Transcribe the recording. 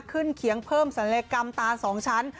เคียงเพิ่มศัลยกรรมตา๒ชั้น